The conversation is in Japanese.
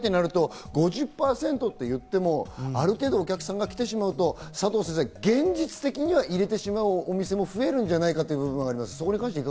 売上を上げたいとなると５０％って言っても、ある程度お客さんが来てしまうと、佐藤先生、現実的には入れてしまう店も増えるんじゃないかというのがあります。